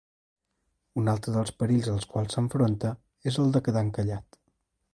Un altre dels perills als quals s'enfronta és el de quedar encallat.